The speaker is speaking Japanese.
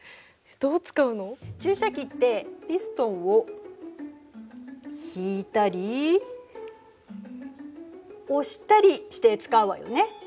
注射器ってピストンを引いたり押したりして使うわよね。